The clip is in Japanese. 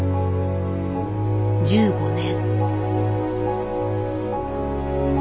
１５年。